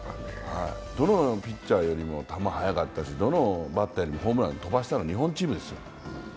どのピッチャーよりも球速かったし、どのバッターよりも飛ばしたの、日本でした。